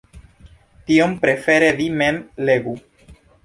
Tion prefere vi mem legu.